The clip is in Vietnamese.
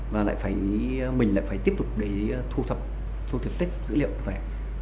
và lại phải mình lại phải tiếp tục để thu thập thu thập tiếp dữ liệu về